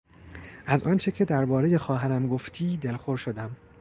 از آنچه که دربارهی خواهرم گفتی دلخور شدم.